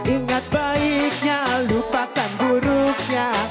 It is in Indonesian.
ingat baiknya lupakan buruknya